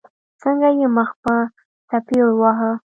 څنګه يې مخ په څپېړو واهه.